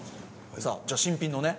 さあじゃあ新品のね。